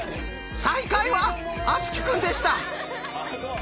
最下位は敦貴くんでした！